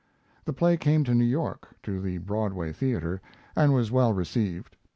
The play came to New York to the Broadway Theater and was well received.